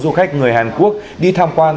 dù khách người hàn quốc đi tham quan